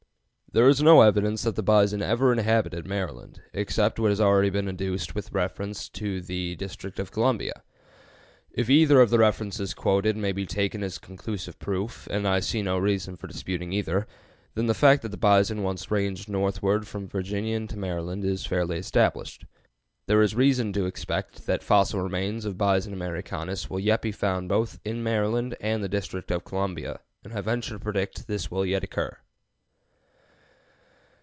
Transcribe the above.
There is no evidence that the bison ever inhabited Maryland, except what has already been adduced with reference to the District of Columbia. If either of the references quoted may be taken as conclusive proof, and I see no reason for disputing either, then the fact that the bison once ranged northward from Virginia into Maryland is fairly established. There is reason to expect that fossil remains of Bison americanus will yet be found both in Maryland and the District of Columbia, and I venture to predict that this will yet occur.